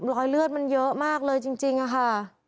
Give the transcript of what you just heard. รอยเลือดมันเยอะมากเลยจริงค่ะ